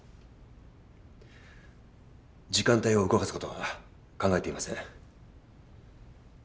時間帯を動かすことは考えていません。